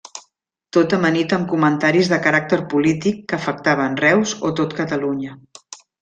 Tot amanit amb comentaris de caràcter polític que afectaven Reus o tot Catalunya.